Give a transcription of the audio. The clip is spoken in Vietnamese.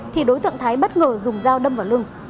thì đối tượng thái bất ngờ dùng dao đâm vào lưng